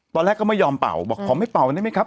ตอนแรกก็ไม่ยอมเป่าบอกขอไม่เป่าได้ไหมครับ